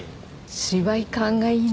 芝居勘がいいのよ